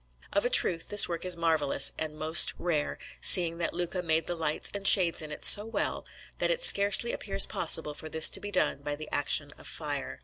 Of a truth, this work is marvellous and most rare, seeing that Luca made the lights and shades in it so well, that it scarcely appears possible for this to be done by the action of fire.